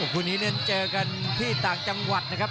คู่นี้นั้นเจอกันที่ต่างจังหวัดนะครับ